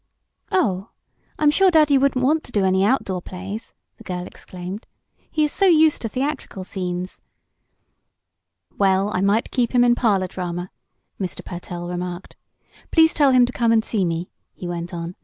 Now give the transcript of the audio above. "Oh, I'm sure daddy wouldn't want to do any outdoor plays," the girl exclaimed. "He is so used to theatrical scenes." "Well, I might keep him in "parlor" drama," Mr. Pertell remarked. "Please tell him to come and see me," he went on.